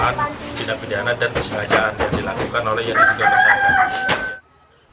penginapan dugaan dan kesengajaan yang dilakukan oleh yang digunakan